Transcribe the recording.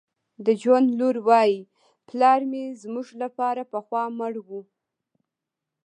د جون لور وایی پلار مې زموږ لپاره پخوا مړ و